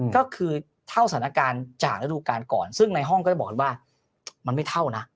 ก็คือเท่าสถานการณ์จากฤดูการก่อนซึ่งในห้องก็จะบอกกันว่ามันไม่เท่านะ